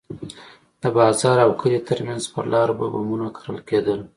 د بازار او کلي ترمنځ پر لارو به بمونه کرل کېدل.